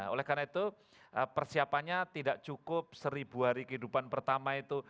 oleh karena itu persiapannya tidak cukup seribu hari kehidupan pertama itu